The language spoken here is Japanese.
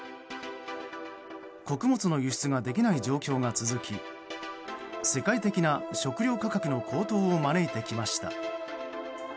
穀物の輸出ができない状況が続き世界的な食糧価格の高騰を招いてきました。